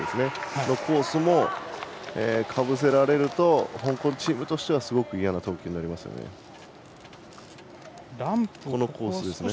そのコースもかぶせられると香港チームとしてはいやな投球ですね。